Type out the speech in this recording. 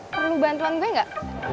perlu bantuan gue gak